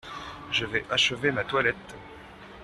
Je vais achever ma toilette.